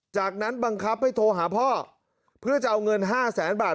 จากนั้นบังคับให้โทรหาพ่อเพื่อจะเอาเงิน๕แสนบาท